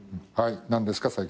はい何ですか？